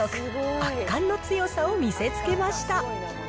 圧巻の強さを見せつけました。